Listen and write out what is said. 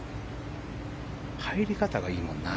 入り方がいいもんな。